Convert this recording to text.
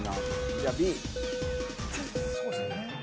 じゃあＢ。